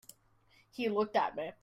He looked at me.